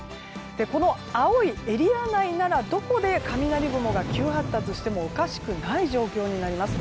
この青いエリア内ならどこで雷雲が急発達してもおかしくない状況になります。